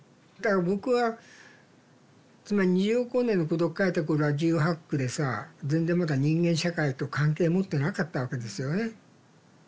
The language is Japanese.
だから僕はつまり「二十億光年の孤独」書いた頃は１８１９でさ全然まだ人間社会と関係持ってなかったわけですよね。